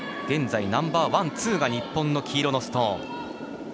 現在ナンバーワンとツーが日本の黄色のストーン。